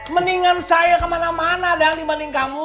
mendingan saya kemana mana dah dibanding kamu